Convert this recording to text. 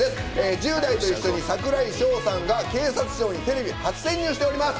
１０代と一緒に櫻井翔さんが警察庁にテレビ初潜入しております。